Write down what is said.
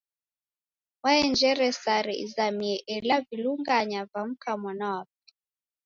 Waenjere sare izamie ela ni vilunganya va mka mwana wape.